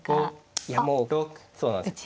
いやもうそうなんです。